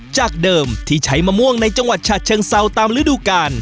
จากเดิมที่ใช้มะม่วงในจังหวัดฉะเชิงเซาตามฤดูกาล